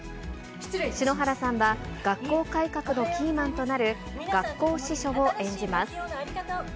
篠原さんは、学校改革のキーマンとなる学校司書を演じます。